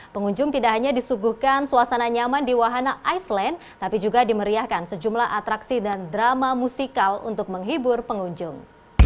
pengunjung tidak hanya disuguhkan suasana nyaman di wahana iceland tapi juga dimeriahkan sejumlah atraksi dan drama musikal untuk menghibur pengunjung